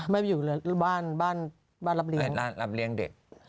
ไม่อยู่บ้านรับเลี้ยงเด็ก